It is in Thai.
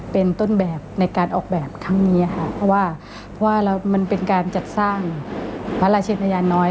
เป็นต้นแบบในการออกแบบทั้งนี้เพราะว่ามันเป็นการจัดสร้างพระราชเนรยาน้อย